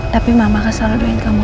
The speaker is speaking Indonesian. tapi mama akan selalu duit kamu